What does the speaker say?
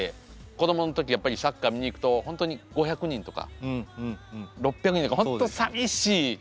子供の時やっぱりサッカー見に行くと本当に５００人とか６００人とか本当寂しい。